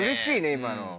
今の。